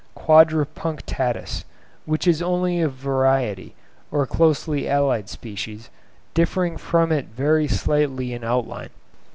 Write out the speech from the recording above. quadripunctatus, which is only a variety or closely allied species, differing from it very slightly in outline.